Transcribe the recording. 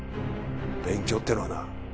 勉強ってのはな